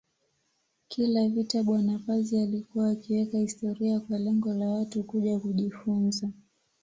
Kila vita bwana Pazi alikuwa akiweka historia kwa lengo la Watu kuja kujifunza